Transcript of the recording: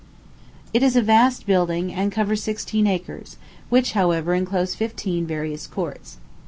It is a vast building, and covers sixteen acres, which, however, enclose fifteen various courts.